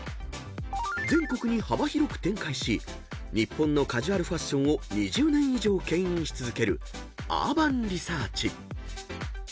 ［全国に幅広く展開し日本のカジュアルファッションを２０年以上けん引し続ける］